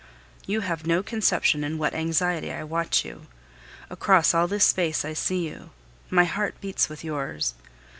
You have no conception in what anxiety I watch you. Across all this space I see you; my heart beats with yours.